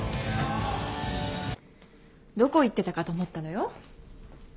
どこ行ってたかと思ったのよ。